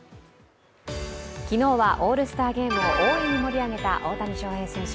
昨日はオールスターゲームを大いに盛り上げた大谷翔平選手。